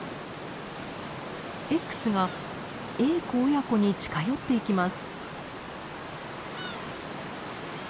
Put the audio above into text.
Ｘがエーコ親子に近寄っていきます。